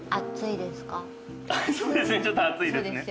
そうですねちょっと熱いですね。